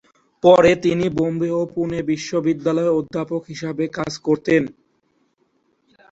পরে তিনি বোম্বে ও পুনে বিশ্ববিদ্যালয়ে অধ্যাপক হিসেবে কাজ করেন।